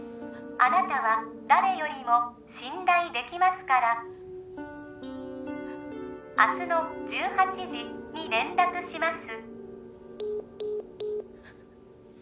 あなたは誰よりも信頼できますから明日の１８時に連絡します